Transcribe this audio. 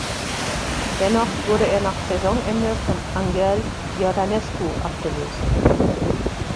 Dennoch wurde er nach Saisonende von Anghel Iordănescu abgelöst.